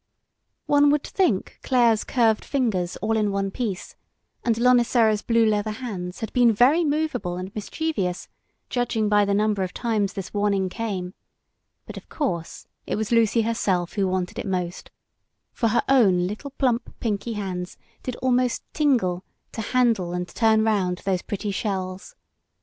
One would think Clare's curved fingers all in one piece, and Lonicera's blue leather hands had been very movable and mischievous, judging by the number of times this warning came; but of course it was Lucy herself who wanted it most, for her own little plump, pinky hands did almost tingle to handle and turn round those pretty shells.